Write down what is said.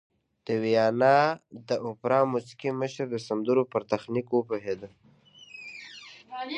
د ویانا د اوپرا موسیقي مشر د سندرو پر تخنیک پوهېده